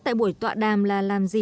tại buổi tọa đàm là làm gì